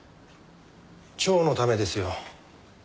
蝶のためですよ。